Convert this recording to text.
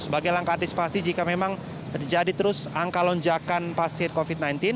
sebagai langkah antisipasi jika memang terjadi terus angka lonjakan pasien covid sembilan belas